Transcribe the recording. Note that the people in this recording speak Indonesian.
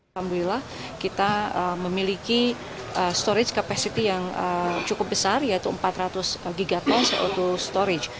alhamdulillah kita memiliki storage capacity yang cukup besar yaitu empat ratus gigattle yaitu storage